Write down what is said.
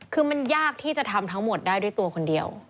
คือมันยากที่จะทำทั้งหมดได้ด้วยตัวคนเดียว